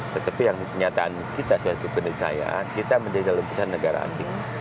tetapi yang kenyataan kita suatu kenisayaan kita menjadi lukisan negara asing